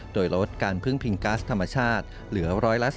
โดยลดการพึ่งพิงก๊าซธรรมชาติเหลือ๑๔